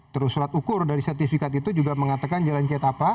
terus latukur dari sertifikat itu juga mengatakan jalan kiatapa